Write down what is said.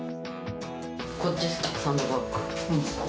こっちがサンドバッグ。